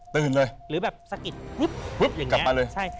ตื่นเลยหรือแบบสกิดหุ๊บหุ๊บอย่างนี้กลับมาเลย